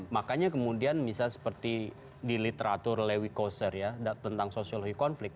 makanya kemudian misalnya seperti di literatur lewy koser ya tentang sosiologi konflik